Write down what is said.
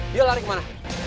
dia lari kemana